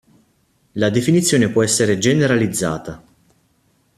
La definizione può essere generalizzata.